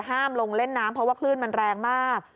ห้ามลงเล่นน้ำเพราะว่าคลื่นมันแรงมาก